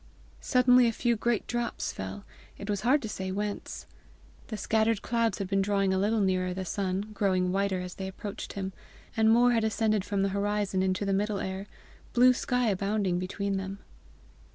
Suddenly a few great drops fell it was hard to say whence. The scattered clouds had been drawing a little nearer the sun, growing whiter as they approached him, and more had ascended from the horizon into the middle air, blue sky abounding between them.